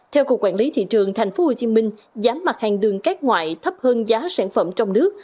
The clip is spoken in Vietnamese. theo cục quản lý thị trường tp hcm giá mặt hàng đường cát ngoại thấp hơn giá sản phẩm trong nước